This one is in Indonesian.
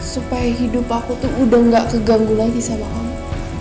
supaya hidup aku tuh udah gak keganggu lagi sama kamu